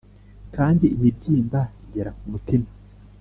kandi imibyimba igera ku mutima